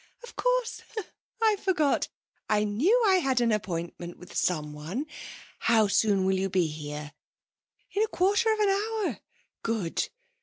Of course, I forgot! I knew I had an appointment with someone! How soon will you be here?... In a quarter of an hour? Good!